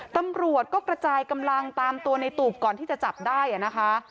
ตำรวจก็กระจายกำลังตามตัวในตูบก่อนที่จะจับได้นะคะ